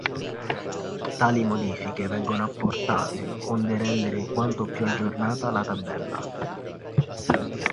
Tali modifiche vengono apportate onde rendere quanto più aggiornata la tabella.